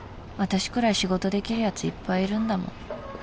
私くらい仕事できるやついっぱいいるんだもん